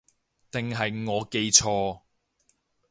定係我記錯